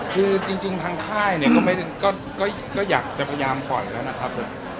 คือจริงทางค่ายเนี่ยก็อยากจะพยายามปล่อยแล้วนะครับ